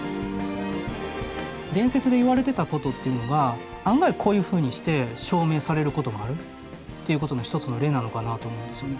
伝説でいわれてたことっていうのが案外こういうふうにして証明されることがあるっていうことの一つの例なのかなと思うんですよね。